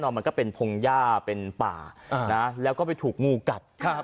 มันก็เป็นพงหญ้าเป็นป่าแล้วก็ไปถูกงูกัด